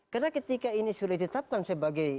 karena ketika ini sudah ditetapkan sebagai